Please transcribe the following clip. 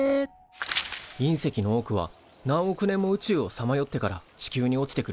隕石の多くは何億年も宇宙をさまよってから地球に落ちてくるらしい。